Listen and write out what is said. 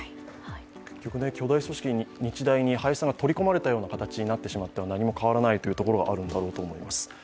結局巨大組織・日大に林さんが取り込まれてしまっては何も変わらないというところがあるんだろうと思います。